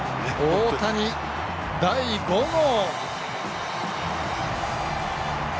大谷第５号！